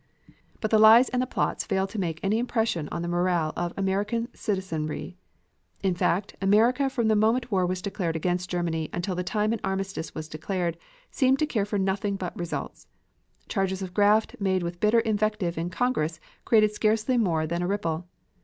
But the lies and the plots failed to make any impression on the morale of American citizenry. In fact, America from the moment war was declared against Germany until the time an armistice was declared, seemed to care for nothing but results. Charges of graft made with bitter invective in Congress created scarcely more than a ripple.